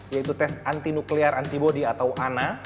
yaitu tes anti nuklear antibody atau ana